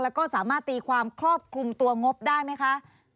แล้วก็สามารถตีความครอบคลุมตัวงบได้ไหมคะ